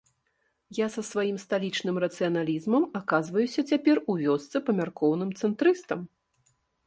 Я са сваім сталічным рацыяналізмам аказваюся цяпер у вёсцы памяркоўным цэнтрыстам.